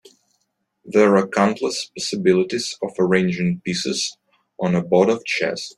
There are countless possibilities of arranging pieces on a board of chess.